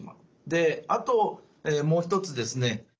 であともう一つですね